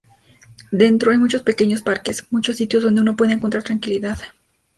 Dentro hay muchos pequeños parques, muchos sitios donde uno puede encontrar tranquilidad.